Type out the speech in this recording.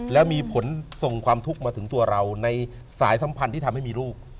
แล้วมีผลส่งความทุกข์มาถึงตัวเราในสายสัมพันธ์ที่ทำให้มีลูก